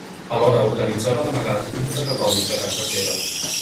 Alhora organitzava d'amagat culte catòlic a casa seva.